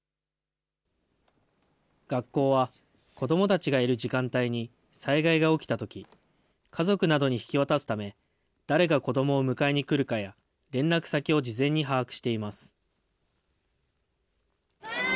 学校は子どもたちがいる時間帯に災害が起きたとき、家族などに引き渡すため、誰が子どもを迎えに来るかや、連絡先を事前に把握しています。